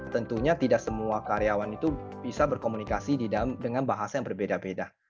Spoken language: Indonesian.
tentunya tidak semua karyawan itu bisa berkomunikasi dengan bahasa yang berbeda beda